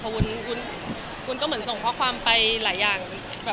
วุ้นก็เหมือนส่งข้อความไปหลายอย่าง